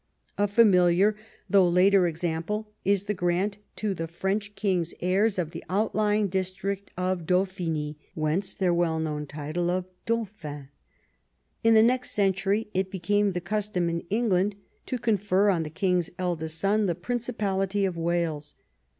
A familiar though later example is the gi'ant to the French king's heirs of the outlying district of Daupliiny, whence their well known title of Daujiliin. In the next century it became the custom in England to confer on the king's eldest son the Principality of Wales.